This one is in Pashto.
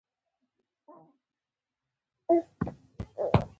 قدرت د هر موجود ضرورت پوره کوي.